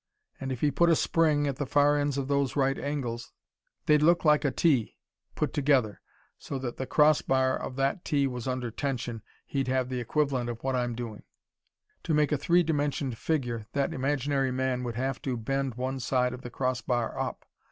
And if he put a spring at the far ends of those right angles they'd look like a T, put together so that the cross bar of that T was under tension, he'd have the equivalent of what I'm doing. To make a three dimensioned figure, that imaginary man would have to bend one side of the cross bar up.